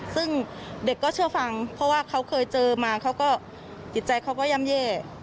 ซึ่งเด็กก็เชื่อฟังเพราะว่าเขาเคยเจอมาเขาก็จิตใจเขาก็ย่ำแย่